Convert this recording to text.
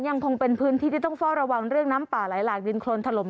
ยังคงเป็นพื้นที่ที่ต้องเฝ้าระวังเรื่องน้ำป่าไหลหลากดินโครนถล่ม